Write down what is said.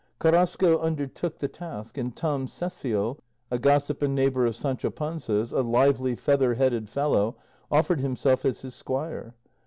Carrasco undertook the task, and Tom Cecial, a gossip and neighbour of Sancho Panza's, a lively, feather headed fellow, offered himself as his squire.